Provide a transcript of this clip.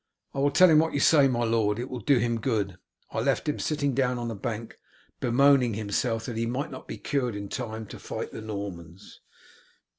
"I will tell him what you say, my lord; it will do him good. I left him sitting down on a bank bemoaning himself that he might not be cured in time to fight the Normans."